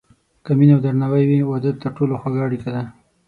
که مینه او درناوی وي، واده تر ټولو خوږه اړیکه ده.